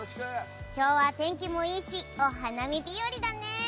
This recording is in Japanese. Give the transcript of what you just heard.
今日は天気もいいしお花見日和だね。